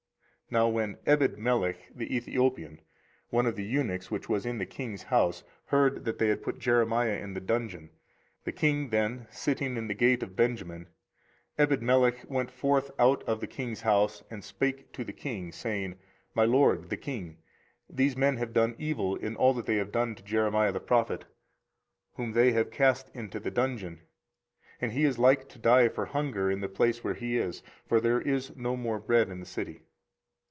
24:038:007 Now when Ebedmelech the Ethiopian, one of the eunuchs which was in the king's house, heard that they had put Jeremiah in the dungeon; the king then sitting in the gate of Benjamin; 24:038:008 Ebedmelech went forth out of the king's house, and spake to the king saying, 24:038:009 My lord the king, these men have done evil in all that they have done to Jeremiah the prophet, whom they have cast into the dungeon; and he is like to die for hunger in the place where he is: for there is no more bread in the city.